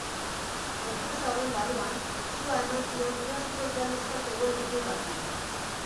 Enpresa horren barruan, sua eman zion plastikoz gainezka zegoen bidoi bati.